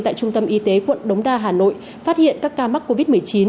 tại trung tâm y tế quận đống đa hà nội phát hiện các ca mắc covid một mươi chín